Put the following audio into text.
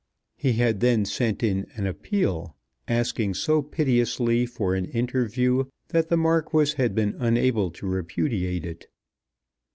He had then sent in an appeal, asking so piteously for an interview that the Marquis had been unable to repudiate it.